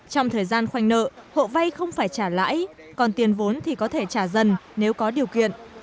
trong thời gian khoanh nợ hộ vay không phải trả lãi còn tiền vốn thì có thể trả dần nếu có điều kiện